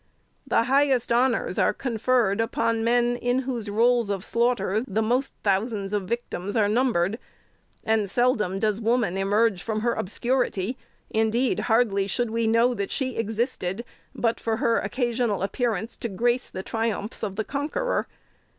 The highest honors are conferred upon men, in whose rolls of slaughter the most thousands of victims are numbered ; and seldom does woman emerge from her obscurity — indeed, hardly should we know that she existed — but for her appear ance to grace the triumphs of the conqueror.